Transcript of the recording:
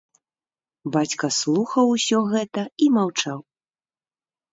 Бацька слухаў усё гэта і маўчаў.